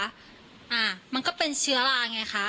อ่ามันก็เป็นเชื้อราไงคะ